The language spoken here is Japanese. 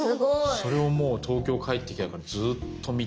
それをもう東京帰ってきてからずっと見て。